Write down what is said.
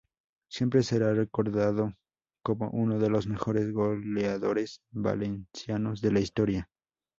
Siempre será recordado como uno de los mejores goleadores valencianos de la historia.